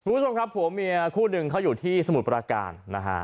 คุณผู้ชมครับผัวเมียคู่หนึ่งเขาอยู่ที่สมุทรประการนะฮะ